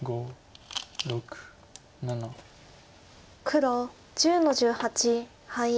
黒１０の十八ハイ。